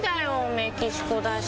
メキシコだし。